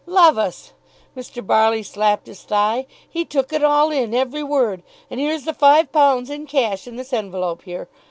Love us!" Mr. Barley slapped his thigh, "he took it all in, every word and here's the five pounds in cash in this envelope here!